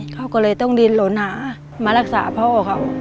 เขาก็เลยต้องดินหลนหามารักษาพ่อเขา